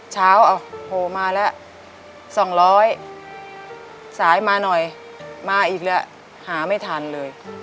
เช้าโผล่มาแล้ว๒๐๐สายมาหน่อยมาอีกแล้วหาไม่ทันเลย